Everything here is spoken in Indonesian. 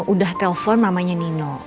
udah telpon mamanya nino